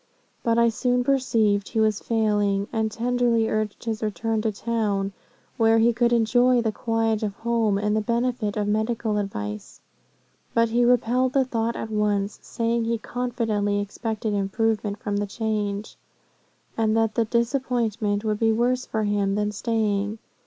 But I soon perceived he was failing, and tenderly urged his return to town, where he could enjoy the quiet of home, and the benefit of medical advice. But he repelled the thought at once, saying he confidently expected improvement from the change, and that the disappointment would be worse for him than staying.